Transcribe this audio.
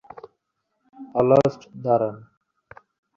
হলস্ট, দাঁড়ান।